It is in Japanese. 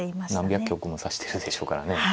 もう何百局も指してるでしょうからね。